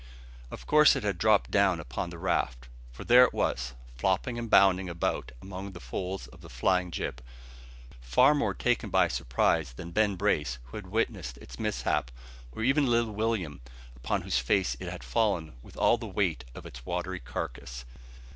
Of course it had dropped down upon the raft: for there it was, flopping and bounding about among the folds of the flying jib, far more taken by surprise than Ben Brace, who had witnessed its mishap, or even little William, upon whose face it had fallen, with all the weight of its watery carcass.